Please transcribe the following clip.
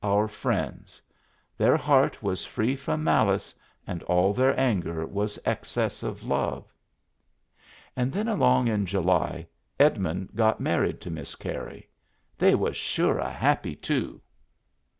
Our Friends. Their heart was free from malice, and all their anger was excess of love." And then along in July Edmund got married to Miss Carey. They was sure a happy two